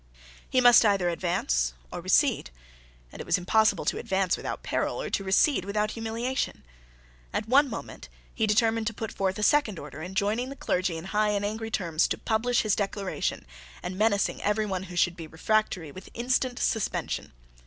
He must either advance or recede: and it was impossible to advance without peril, or to recede without humiliation. At one moment he determined to put forth a second order enjoining the clergy in high and angry terms to publish his Declaration, and menacing every one who should be refractory with instant suspension.